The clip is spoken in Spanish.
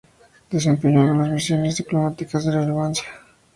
Desempeñó algunas misiones diplomáticas de relevancia.